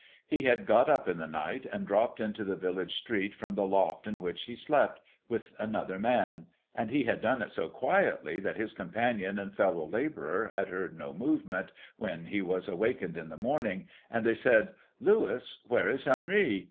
He had got up in the night, and dropped into the village street from the loft in which he slept with another man ; and he had done it so quietly, that his companion and fellow labourer had heard no movement when he was awakened in the morning, and they said, ' Louis, where is Henri